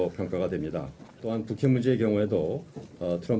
kami mengerti bahwa seperti yang saya katakan